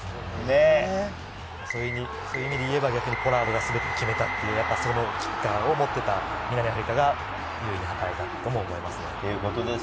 そういう意味で言えば、ポラードは全て決めた、そういうキッカーを持っていた南アフリカが有利に働いたと思います。